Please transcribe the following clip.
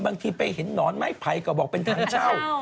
บางทีไปเห็นหนอนไม้ไผ่ก็บอกเป็นทางเช่า